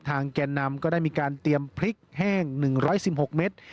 ทางแก่นนามก็ได้มีการเตรียมพริกแห้งหนึ่งร้อยสิบหกเม็ด